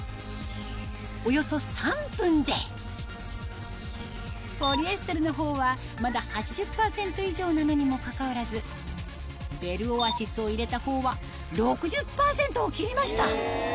およそ３分でポリエステルの方はまだ８０％以上なのにもかかわらずベルオアシスを入れた方は６０％を切りました！